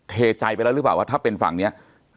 เทใจไปแล้วหรือเปล่าว่าถ้าเป็นฝั่งนี้